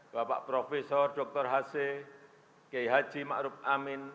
bapak profesor dr haseh g haji ma'ruf amin